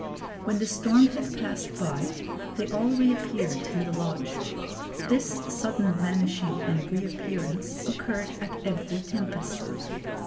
When the storm had passed by, they all reappeared in the lodge. This sudden vanishing and reappearance occurred at every tempest.